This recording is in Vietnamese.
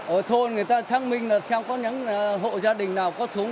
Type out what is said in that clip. ở thôn người ta chắc mình là trong những hộ gia đình nào có súng